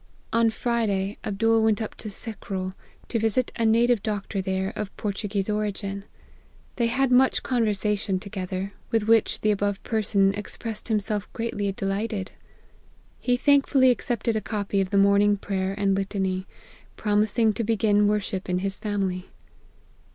On Friday, Abdool went up to Secrole, to visit a native doctoi there, of Portuguese origin. They had much con versation together, with which the above person expressed himself greatly delighted. He thankful ly accepted a copy of the morning prayer and litany, promising to begin worship in his family.